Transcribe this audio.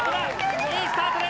良いスタートだ！